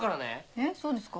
えっそうですか？